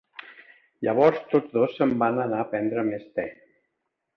Llavors tots dos se'n van anar a prendre més te.